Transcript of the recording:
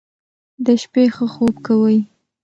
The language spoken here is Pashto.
د شپې ښه خوب کوئ.